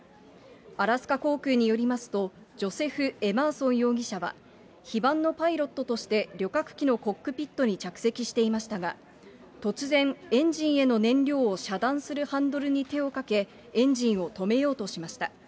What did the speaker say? アラスカ航空によりますと、ジョセフ・エマーソン容疑者は、非番のパイロットとして旅客機のコックピットに着席していましたが、突然、エンジンへの燃料を遮断するハンドルに手をかけ、エンジンを止めようとしました。